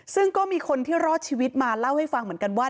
ซึ่งก็มีคนที่รอดชีวิตมาเล่าให้ฟังเหมือนกันว่า